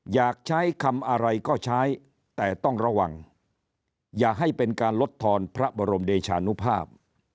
อยากใช้คำอะไรก็ใช้แต่ต้องระวังอย่าให้เป็นการลดทอนพระบรมเดชานุภาพ